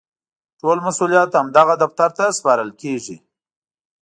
ټول مسوولیت همدغه دفتر ته سپارل کېږي.